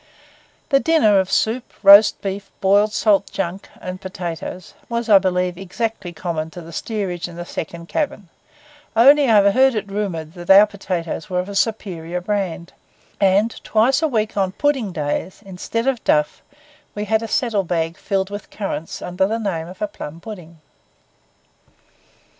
The dinner of soup, roast fresh beef, boiled salt junk, and potatoes, was, I believe, exactly common to the steerage and the second cabin; only I have heard it rumoured that our potatoes were of a superior brand; and twice a week, on pudding days, instead of duff, we had a saddle bag filled with currants under the name of a plum pudding.